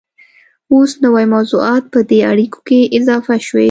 اوس نوي موضوعات په دې اړیکو کې اضافه شوي